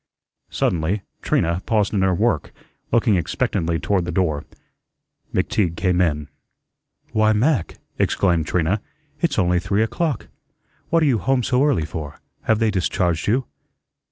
Suddenly Trina paused in her work, looking expectantly toward the door. McTeague came in. "Why, Mac," exclaimed Trina. "It's only three o'clock. What are you home so early for? Have they discharged you?"